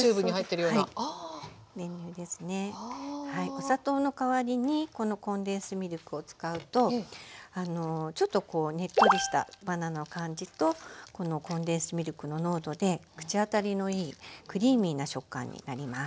お砂糖の代わりにこのコンデンスミルクを使うとちょっとこうねっとりしたバナナの感じとこのコンデンスミルクの濃度で口当たりのいいクリーミーな食感になります。